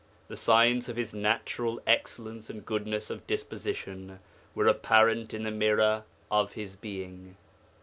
The signs of his natural excellence and goodness of disposition were apparent in the mirror of his being.